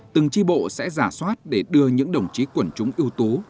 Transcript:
từng chi bộ sẽ giả soát để đưa những đồng chí quần chúng ưu tú